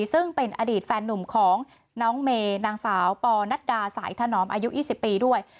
ซึ่งเป็นอดีตแฟนนุ่มของน้องเมย์นางสาวปอนัดดาสายถนอมอายุ๒๐ปีด้วย